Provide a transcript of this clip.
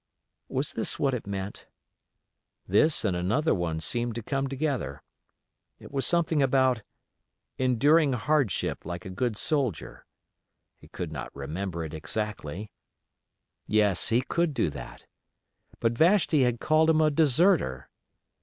Was this what it meant? This and another one seemed to come together. It was something about "enduring hardship like a good soldier", he could not remember it exactly. Yes, he could do that. But Vashti had called him a deserter.